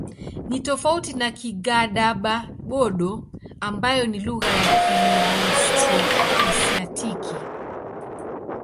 Ni tofauti na Kigadaba-Bodo ambayo ni lugha ya Kiaustro-Asiatiki.